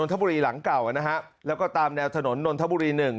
ทบุรีหลังเก่านะฮะแล้วก็ตามแนวถนนนนทบุรี๑